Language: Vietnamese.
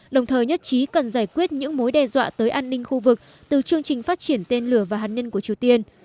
đồng thời nhất trí cần giải quyết những mối đe dọa tới an ninh khu vực từ chương trình phát triển tên lửa và hạt nhân của triều tiên